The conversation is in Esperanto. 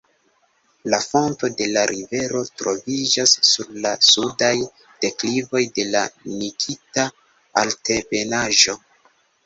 La fonto de la rivero troviĝas sur la sudaj deklivoj de la Nikita altebenaĵo.